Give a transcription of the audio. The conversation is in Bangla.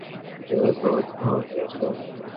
নিজেকে যেভাবে দেখতে চাও সেভাবেই পরিবর্তিত হও, বুঝেছো?